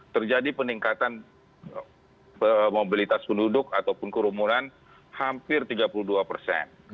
dua ribu dua puluh terjadi peningkatan mobilitas penduduk ataupun kerumunan hampir tiga puluh dua persen